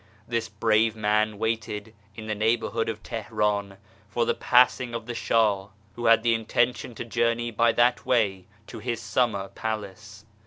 This brave man waited in the neighbourhood of Teheran for the passing of the Shah, who had the intention to journey by that way to his Summer Palace.